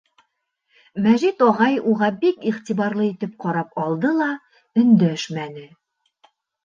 Мәжит ағай уға бик иғтибарлы итеп ҡарап алды ла өндәшмәне.